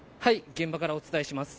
現場からお伝えします。